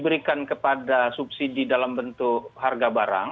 berikan kepada subsidi dalam bentuk harga barang